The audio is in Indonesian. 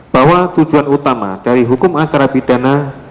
bahwa tujuan utama dari hukum acara pidana